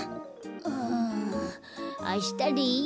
うんあしたでいいよ。